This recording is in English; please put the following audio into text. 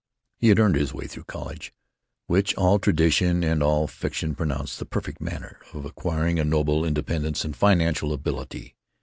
He had "earned his way through college," which all tradition and all fiction pronounce the perfect manner of acquiring a noble independence and financial ability.